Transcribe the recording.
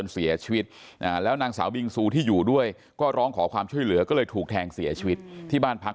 เสียชีวิตแล้วนางสาวบิงซูที่อยู่ด้วยก็ร้องขอความช่วยเหลือก็เลยถูกแทงเสียชีวิตที่บ้านพัก